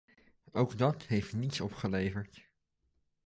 Ook dat heeft niets opgeleverd.